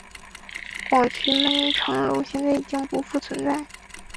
广渠门城楼现在已经不复存在。